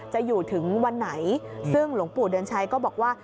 จะอยู่ถึงวันไหนซึ่งหลวงปู่เดือนชัยก็บอกว่า